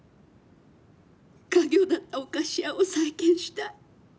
家業だったお菓子屋を再建したい。